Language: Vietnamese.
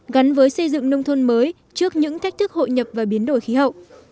gắn với xây dựng nông thôn mới trước những thách thức hội nhập và biến đổi khí hậu